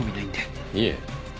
いえ。